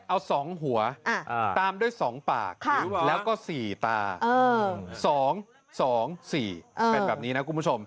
เอาสองหัวว่าตามด้วยสองปากค่ะแล้วก็สี่ตา๒สอง๔แบบนี้นะคุณผู้ชม